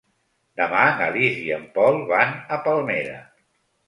Demà na Lis i en Pol van a Palmera.